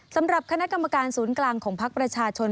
สำหรับคณะกรรมการศูนย์กลางของพักประชาชน